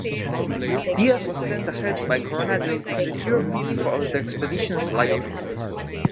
Diaz was then sent ahead by Coronado to secure feed for the expedition's livestock.